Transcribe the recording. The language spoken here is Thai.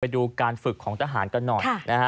ไปดูการฝึกของทหารกันหน่อย